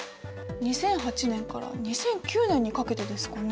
２００８年から２００９年にかけてですかね。